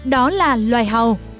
đó là loài hầu